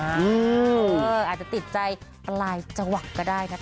อาจจะติดใจปลายจังหวัดก็ได้นะคะ